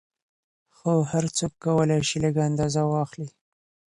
خو هر څوک کولای شي لږ اندازه واخلي.